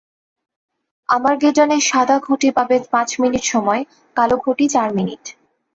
আর্মাগেডনে সাদা ঘুঁটি পাবে পাঁচ মিনিট সময়, কালো ঘুঁটি চার মিনিট।